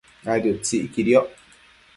Adi utsi iquidioc